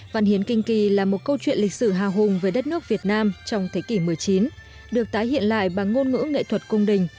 văn hiến kinh kỳ là một câu chuyện lịch sử hào hùng về đất nước việt nam trong thế kỷ một mươi chín được tái hiện lại bằng ngôn ngữ nghệ thuật cung đình